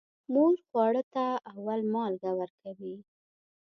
مور خواره ته اول مالګه ورکوي.